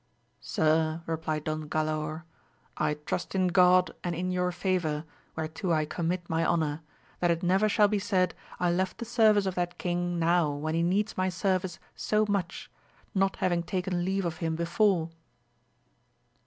Sir, replied Don Galaor, I trust in God and in your favour whereto I commit my honour, that it never shall be said I left the service of that king now when he needs my service so much, not having taken leave of him before.